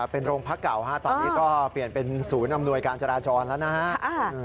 เป็นโรงพักเก่าตอนนี้ก็เปลี่ยนเป็นศูนย์อำนวยการจราจรแล้วนะฮะ